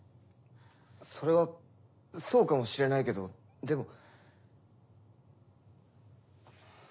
それはそうかもしれないけどでも。